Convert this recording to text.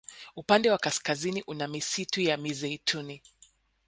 Upande wa kaskazini una misistu ya mizeituni